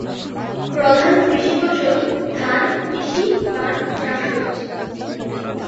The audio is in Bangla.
প্রধান কৃষি ফসল ধান, তিসি, পান, শাকসবজি।